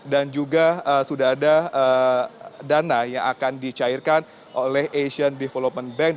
dan juga sudah ada dana yang akan dicairkan oleh asian development bank